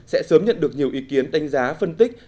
sẽ sớm nhận được nhiều ý kiến đánh giá phân tích